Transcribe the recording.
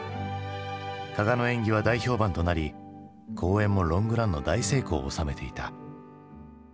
加賀の演技は大評判となり公演もロングランの大成功を収めていた。